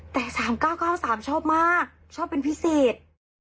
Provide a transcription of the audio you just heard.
แต่๓๙๙๓ชอบมากชอบเป็นพิเศษ